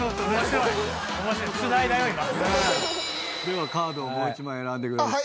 ではカードをもう１枚選んでください。